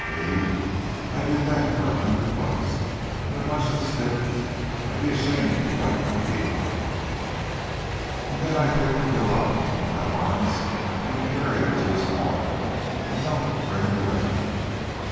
ME I did that for a hundred bucks an' a bunch of stiffs I'd be ashamed to wipe my feet on. An' then I pick Bill up in my arms an' carry'm to his corner, an' help bring'm around.